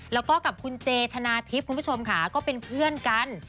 แล้วก็กับคุณเจชนะทิพย์คุณผู้ชมค่ะก็เป็นเพื่อนกัน